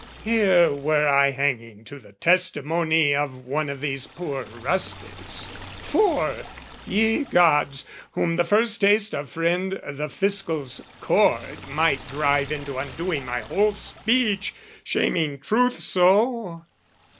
Here were I hanging to the testimony Of one of these poor rustics four, ye Gods! Whom the first taste of friend the Fiscal's cord Might drive into undoing my whole speech, Shaming truth so!